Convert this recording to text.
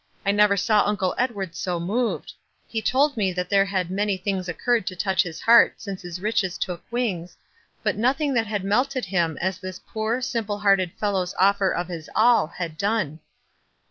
" I never saw Uncle Ed wad so moved ; he told me that there had many things occurred to touch his heart since his riches took wings, but nothing that had melted him as this poor, simple hearted fellow's offer of his all had done."